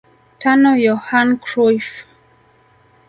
Tano Yohan Cruyff